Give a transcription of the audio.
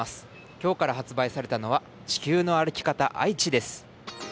今日から発売されたのは「地球の歩き方愛知」です。